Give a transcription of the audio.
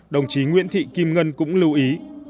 đồng chí nguyễn thị kim ngân cũng lưu ý